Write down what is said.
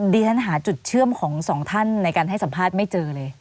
ดิฉันหาจุดเชื่อมของสองท่านในการให้สัมภาษณ์ไม่เจอเลย